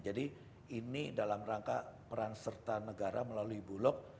jadi ini dalam rangka peran serta negara melalui bulog